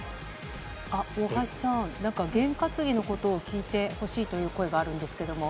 大橋さん、験担ぎのことを聞いてほしいという声があるんですが。